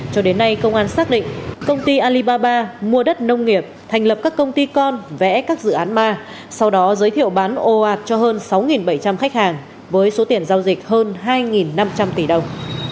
cho đến nay công an xác định công ty alibaba mua đất nông nghiệp thành lập các công ty con vẽ các dự án ma sau đó giới thiệu bán ồ ạt cho hơn sáu bảy trăm linh khách hàng với số tiền giao dịch hơn hai năm trăm linh tỷ đồng